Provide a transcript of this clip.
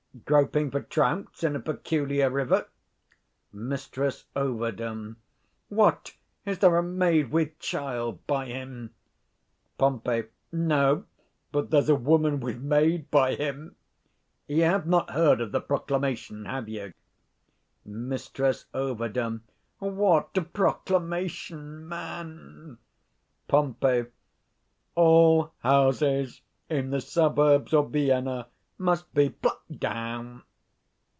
_ Groping for trouts in a peculiar river. Mrs Ov. What, is there a maid with child by him? Pom. No, but there's a woman with maid by him. You have not heard of the proclamation, have you? Mrs Ov. What proclamation, man? 90 Pom. All houses in the suburbs of Vienna must be plucked down.